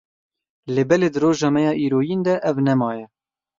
Lê belê di roja me ya îroyîn de, ev nemaye.